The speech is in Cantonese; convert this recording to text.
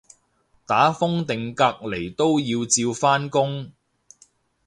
打風定隔離都要照返工